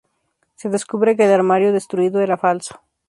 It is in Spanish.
Se descubre que el armario destruido era falso.